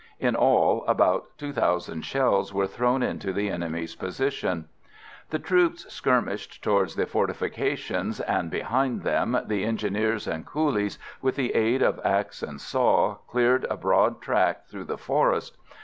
In all about two thousand shells were thrown into the enemy's position. The troops skirmished towards the fortifications, and, behind them, the engineers and coolies, with the aid of axe and saw, cleared a broad track through the forest.